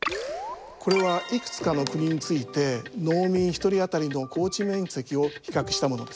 これはいくつかの国について農民一人当たりの耕地面積を比較したものです。